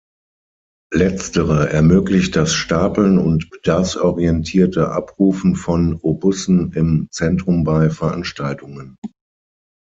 Letztere ermöglicht das Stapeln und bedarfsorientierte Abrufen von Obussen im Zentrum bei Veranstaltungen.